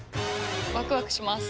ワクワクします。